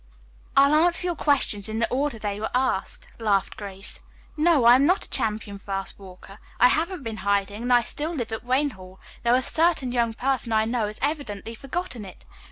"I'll answer your questions in the order they were asked," laughed Grace. "No, I am not a champion fast walker. I haven't been hiding, and I still live at Wayne Hall, though a certain young person I know has evidently forgotten it.